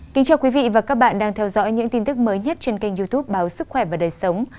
kính chào quý vị và các bạn đang theo dõi những tin tức mới nhất trên kênh youtube báo sức khỏe và đời sống